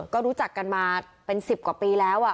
ก็รู้จักกันมาเป็น๑๐กว่าปีแล้ว